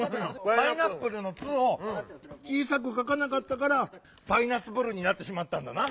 「パイナップル」の「ツ」をちいさくかかなかったから「パイナツプル」になってしまったんだな。